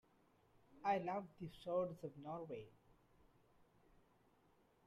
I love the fjords of Norway.